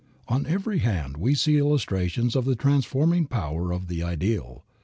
On every hand we see illustrations of the transforming power of the ideal.